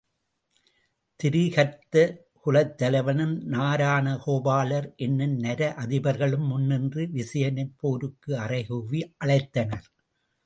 திரிகர்த்த குலத்தலைவனும், நாரண கோபாலர் என்னும் நர அதிபர்களும் முன் நின்ற விசயனைப் போருக்கு அறை கூவி அழைத்தனர்.